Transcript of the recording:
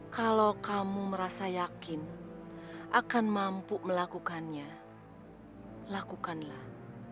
kalau kamu merasa yakin akan mampu melakukannya lakukanlah